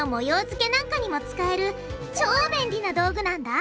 づけなんかにも使える超便利な道具なんだ！